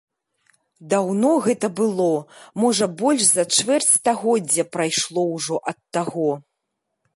Даўно гэта было, можа больш за чвэрць стагоддзя прайшло ўжо ад таго.